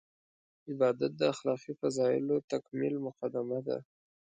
عبادت د اخلاقي فضایلو تکمیل مقدمه ده.